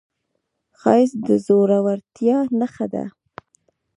ښایست د زړورتیا نښه ده